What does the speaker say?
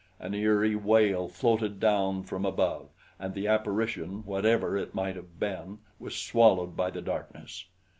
An eerie wail floated down from above and the apparition, whatever it might have been, was swallowed by the darkness.